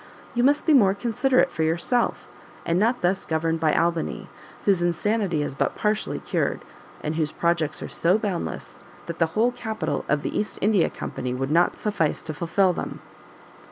You must be more considerate for yourself, and not thus governed by Albany, whose insanity is but partially cured, and whose projects are so boundless, that the whole capital of the East India Company would not suffice to fulfil them."